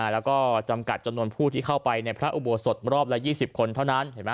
แล้วก็จำกัดจำนวนผู้ที่เข้าไปในพระอุโบสถรอบละ๒๐คนเท่านั้นเห็นไหม